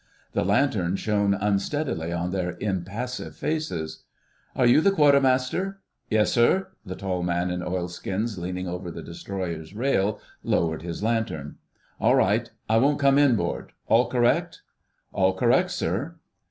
The lantern shone unsteadily on their impassive faces. "Are you the Quartermaster?" "Yessir." The tall man in oilskins leaning over the Destroyer's rail lowered his lantern. "All right, I won't come inboard. All correct?" "All correct, sir."